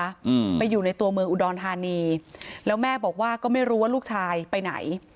อืมไปอยู่ในตัวเมืองอุดรธานีแล้วแม่บอกว่าก็ไม่รู้ว่าลูกชายไปไหน